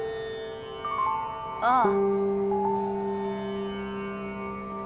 ああ。